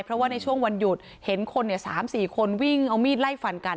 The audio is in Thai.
เพราะว่าในช่วงวันหยุดเห็นคน๓๔คนวิ่งเอามีดไล่ฟันกัน